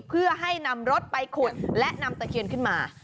เพื่อให้นำรถไปขุดและนำตะเคียนขึ้นมา